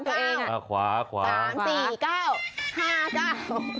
ขวาขวาขวาตัวเองขวา